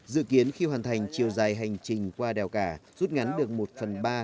dự kiến khi hoàn thành chiều dài hành trình qua đèo cả rút ngắn được một phần ba